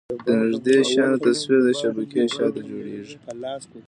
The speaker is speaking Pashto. د نږدې شیانو تصویر د شبکیې شاته جوړېږي.